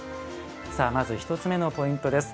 さあまず１つ目のポイントです。